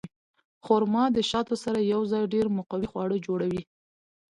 خرما د شاتو سره یوځای ډېر مقوي خواړه جوړوي.